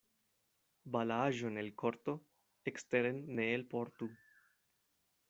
Balaaĵon el korto eksteren ne elportu.